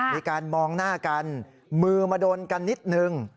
มีการมองหน้ากันมือมาโดนกันนิดนึง